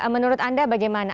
menurut anda bagaimana